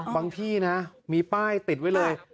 ที่นะมีป้ายติดไว้เลย